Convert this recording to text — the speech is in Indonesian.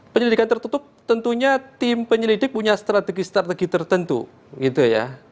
penyelidikan tertutup tentunya tim penyelidik punya strategi strategi tertentu gitu ya